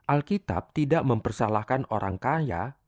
alkitab tidak mempersalahkan orang kaya